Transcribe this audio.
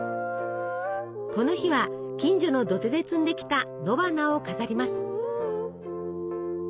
この日は近所の土手で摘んできた野花を飾ります。